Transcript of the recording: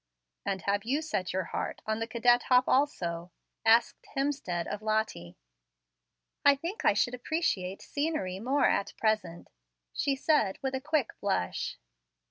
"And have you set your heart on the 'cadet hop' also?" asked Hemstead of Lottie. "I think I should appreciate scenery more at present," she said, with a quick blush.